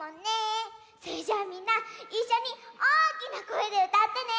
それじゃあみんないっしょにおおきなこえでうたってね。